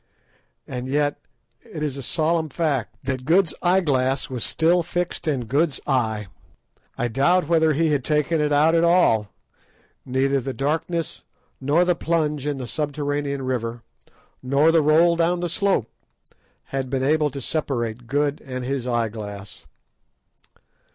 And yet it is a solemn fact that Good's eye glass was still fixed in Good's eye. I doubt whether he had ever taken it out at all. Neither the darkness, nor the plunge in the subterranean river, nor the roll down the slope, had been able to separate Good and his eye glass.